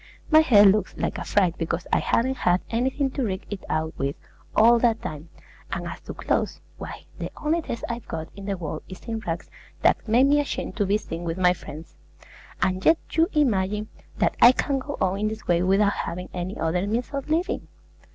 My head looks like a fright because I haven't had anything to rig it out with, all that time; and as to clothes, why, the only dress I've got in the world is in rags that make me ashamed to be seen with my friends: and yet you imagine that I can go on in this way without having any other means of living!